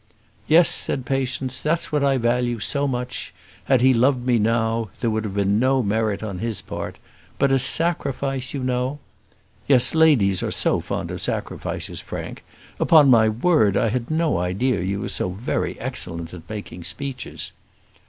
"Yes," said Patience; "that's what I value so much: had he loved me now, there would have been no merit on his part; but a sacrifice, you know " "Yes, ladies are so fond of such sacrifices, Frank, upon my word, I had no idea you were so very excellent at making speeches."